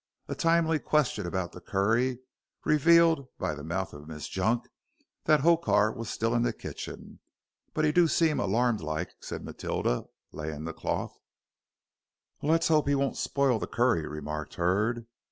A timely question about the curry revealed, by the mouth of Miss Junk, that Hokar was still in the kitchen. "But he do seem alarmed like," said Matilda, laying the cloth. "Let's hope he won't spoil the curry," remarked Hurd.